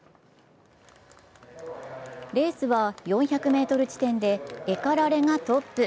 レースは４００ｍ地点でエカラレがトップ。